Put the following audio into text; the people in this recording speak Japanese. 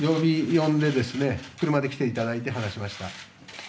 呼んで車で来ていただいて話しました。